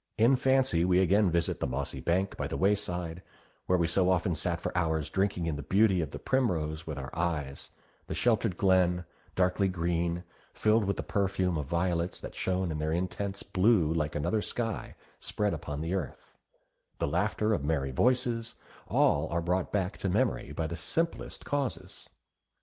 In fancy we again visit the mossy bank by the wayside, where we so often sat for hours drinking in the beauty of the primrose with our eyes; the sheltered glen, darkly green, filled with the perfume of violets that shone in their intense blue like another sky spread upon the earth; the laughter of merry voices, are all brought back to memory by the simplest causes.